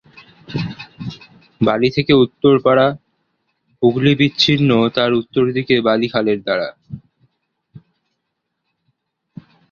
বালী থেকে উত্তরপাড়া, হুগলি বিচ্ছিন্ন তার উত্তর দিকে বালি খালের দ্বারা।